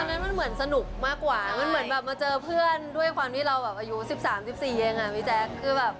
นั้นมันเหมือนสนุกมากกว่ามันเหมือนแบบมาเจอเพื่อนด้วยความที่เราแบบอายุ๑๓๑๔เองอ่ะพี่แจ๊คคือแบบ